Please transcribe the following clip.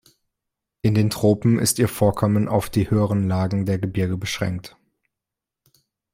In den Tropen ist ihr Vorkommen auf die höheren Lagen der Gebirge beschränkt.